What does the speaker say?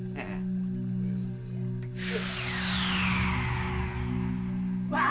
iya kena bang